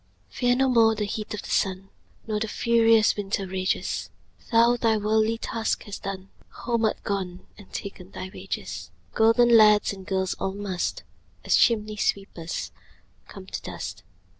Fear no more the heat o' the sun, Nor the furious winter's rages; Thou thy worldly task hast done, Home art gone, and ta'en thy wages: Golden lads and girls all must, As chimney sweepers, come to dust.